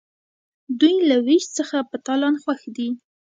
دوی له ویش څخه په تالان خوښ دي.